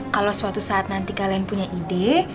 kalau suatu saat nanti kalian punya ide